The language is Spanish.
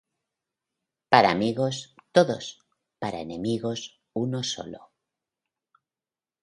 Para amigos, todos; para enemigos, uno solo.